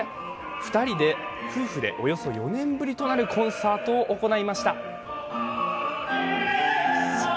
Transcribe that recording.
２人で、夫婦でおよそ４年ぶりとなるコンサートを行いました。